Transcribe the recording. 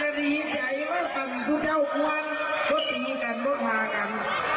วันดีใจมาสั่นทุกแค่๖วันพอตีกันพอพากัน